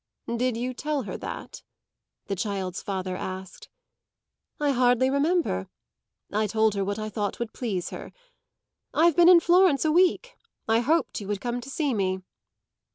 "Did you tell her that?" the child's father asked. "I hardly remember. I told her what I thought would please her. I've been in Florence a week. I hoped you would come to see me."